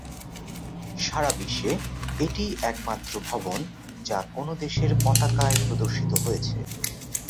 সারা বিশ্বে এটিই একমাত্র ভবন যা কোন দেশের পতাকায় প্রদর্শিত হয়েছে।